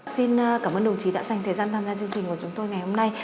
xin cảm ơn đồng chí đã dành thời gian tham gia chương trình của chúng tôi ngày hôm nay